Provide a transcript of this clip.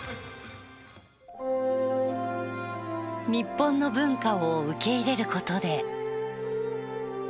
日本の文化を受け入れる事で。